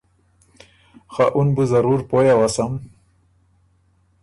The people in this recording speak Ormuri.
خه اُن بُو ضرور پویٛ اؤسم